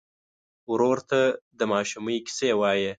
ورور ته د ماشومۍ کیسې وایې.